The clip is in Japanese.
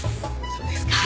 そうですか。